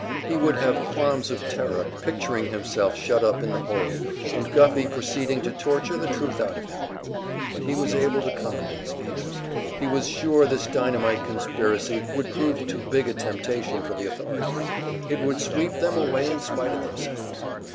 He would have qualms of terror, picturing himself shut up in the hole, and Guffey proceeding to torture the truth out of him. But he was able to calm these fears. He was sure this dynamite conspiracy would prove too big a temptation for the authorities; it would sweep them away in spite of themselves.